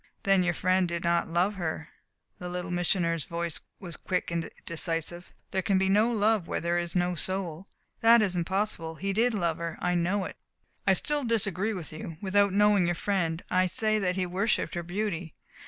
"Then your friend did not love her." The Little Missioner's voice was quick and decisive. "There can be no love where there is no soul." "That is impossible. He did love her. I know it." "I still disagree with you. Without knowing your friend, I say that he worshipped her beauty.